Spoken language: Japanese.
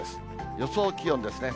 予想気温ですね。